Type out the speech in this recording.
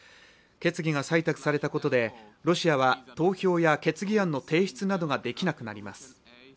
決議が採択されたことでロシアは投票や決議案の提出などができなくなります。